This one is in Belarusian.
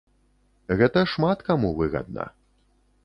Гэта шмат каму выгадна.